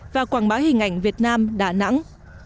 và quảng bá hình ảnh việt nam đà nẵng